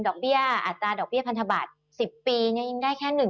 ดอกเบี้ยอาจารย์ดอกเบี้ยพันธบาท๑๐ปีเนี่ยยังได้แค่๑๕